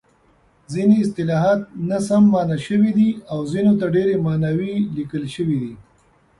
ځیني اصطلاحات ناسم مانا شوي دي او ځینو ته ډېرې ماناوې لیکل شوې دي.